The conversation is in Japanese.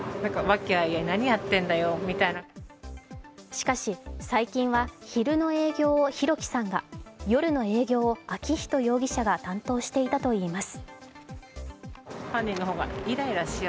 しかし、最近は昼の営業を弘輝さんが夜の営業を昭仁容疑者が担当していたといいます。